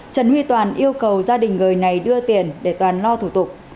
trần huy toàn yêu cầu gia đình người này đưa tiền để toàn lo thủ tục